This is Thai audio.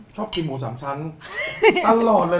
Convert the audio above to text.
ชอบกินหมูสามชั้นตลอดเลย